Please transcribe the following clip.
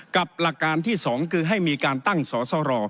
หลักการที่๒คือให้มีการตั้งสอสร